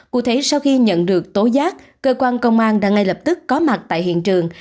cụ thể sau khi nhận được tố giác cơ quan công an đã ngay lập tức có mặt tại hiện trường